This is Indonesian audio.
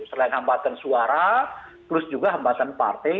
selain hambatan suara plus juga hambatan partai